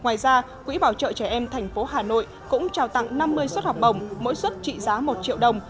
ngoài ra quỹ bảo trợ trẻ em thành phố hà nội cũng trao tặng năm mươi suất học bổng mỗi suất trị giá một triệu đồng